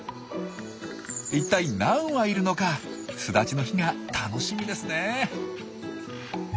一体何羽いるのか巣立ちの日が楽しみですねえ。